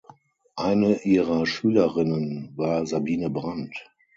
Eine ihrer Schülerinnen war Sabine Brand.